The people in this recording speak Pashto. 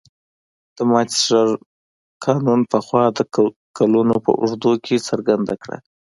مانچستر قانون پخوا د کلونو په اوږدو کې څرګنده کړه.